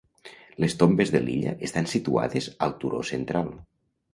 Les tombes de l'illa estan situades al turó central.